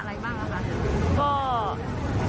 ผมแจ้งไปเหมือนกัน